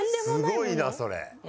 すごいなそれ。